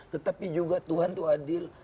tetapi juga tuhan itu adil